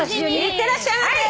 いってらっしゃいませ！